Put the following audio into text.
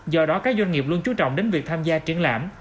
do đó các doanh nghiệp luôn chú trọng đến việc tham gia triển lãm